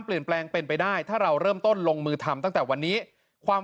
เปลี่ยนแปลงเป็นไปได้ถ้าเราเริ่มต้นลงมือทำตั้งแต่วันนี้ความ